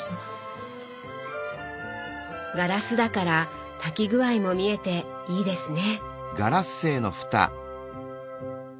ガラスだから炊き具合も見えていいですね。